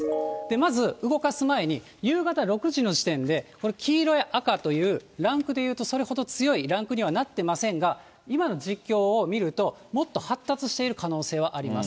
まず、動かす前に夕方６時の時点で、これ、黄色や赤というランクで言うと、それほど強いランクにはなってませんが、今の実況を見ると、もっと発達している可能性はあります。